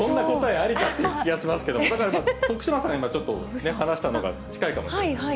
ありかって気がしますけど、だから、徳島さん、今、ちょっとね、話したのが近いかもしれない。